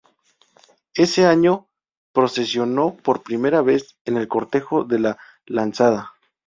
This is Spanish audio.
Ese año procesionó por primera vez, en el cortejo de la Lanzada.